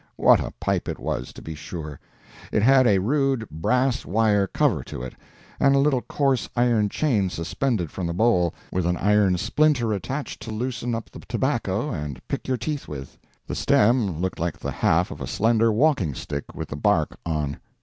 What a pipe it was, to be sure! It had a rude brass wire cover to it, and a little coarse iron chain suspended from the bowl, with an iron splinter attached to loosen up the tobacco and pick your teeth with. The stem looked like the half of a slender walking stick with the bark on.